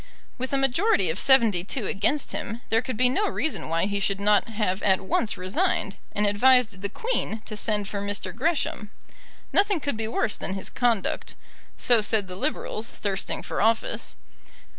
With a majority of seventy two against him, there could be no reason why he should not have at once resigned, and advised the Queen to send for Mr. Gresham. Nothing could be worse than his conduct. So said the Liberals, thirsting for office.